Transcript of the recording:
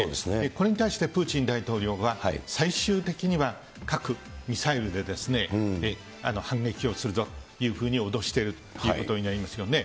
これに対してプーチン大統領は、最終的には核・ミサイルでですね、反撃をするぞというふうに脅しているということになりますよね。